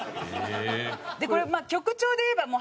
でこれまあ曲調で言えばああ。